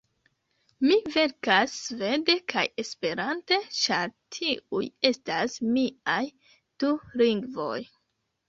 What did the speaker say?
Mi verkas svede kaj Esperante, ĉar tiuj estas miaj du lingvoj.